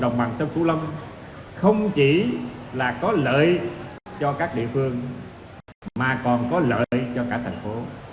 đồng bằng sông cửu lâm không chỉ là có lợi cho các địa phương mà còn có lợi cho cả thành phố